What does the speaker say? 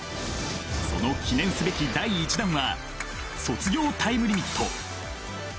その記念すべき第１弾は「卒業タイムリミット」。